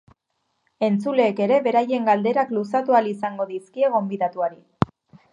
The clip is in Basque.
Entzuleek ere beraien galderak luzatu ahal izango dizkie gonbidatuari.